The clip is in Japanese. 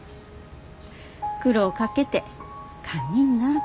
「苦労かけて堪忍な。